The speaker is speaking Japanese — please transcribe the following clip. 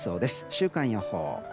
週間予報。